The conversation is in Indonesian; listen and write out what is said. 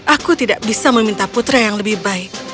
aku tidak bisa meminta putra yang lebih baik